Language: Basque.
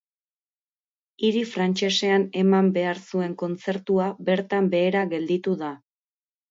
Hiri frantsesean eman behar zuen kontzertua bertan behera gelditu da.